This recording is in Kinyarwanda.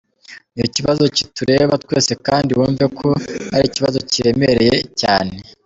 ni ikibazo kitureba twese kandi wumve ko ari ikibazo kiremereye cyane.